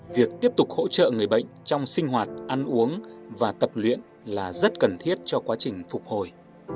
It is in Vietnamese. việc tiếp tục hỗ trợ người bệnh trong sinh hoạt ăn uống và tập luyện là rất cần thiết cho quá trình phục hồi